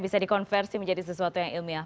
bisa dikonversi menjadi sesuatu yang ilmiah